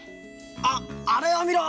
「あっあれを見ろ！」。